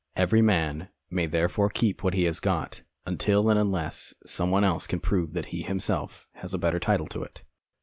Every man may therefore keep what he has got, until and unless some one else can prove that he himself has a better title to it.